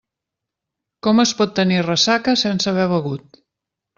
Com es pot tenir ressaca sense haver begut?